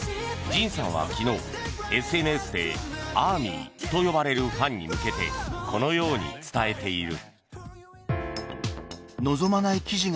ＪＩＮさんは昨日、ＳＮＳでＡＲＭＹと呼ばれるファンに向けてこのように伝えている。